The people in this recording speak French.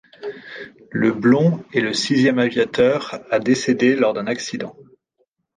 Le Blon est le sixième aviateur à décéder lors d'un accident.